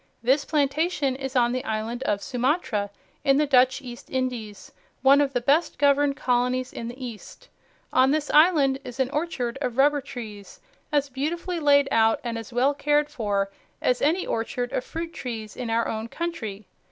This plantation is on the island of Sumatra in the Dutch East Indies, one of the best governed colonies in the East. On this island is an orchard of rubber trees, as beautifully laid out and as well cared for as any orchard of fruit trees in our own country.